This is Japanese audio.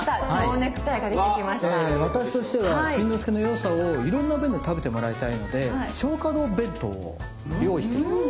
え私としては新之助の良さをいろんな面で食べてもらいたいので松花堂弁当を用意しております。